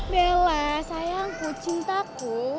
bella sayangku cintaku